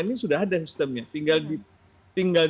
ini sudah ada sistemnya tinggal